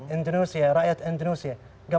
indonesia rakyat indonesia